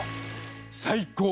最高！